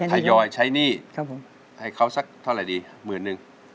ถ่ายยอยใช้หนี้ให้เขาสักเท่าไหร่ดี๑๐๐๐๐บาท